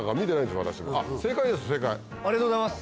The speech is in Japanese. ありがとうございます。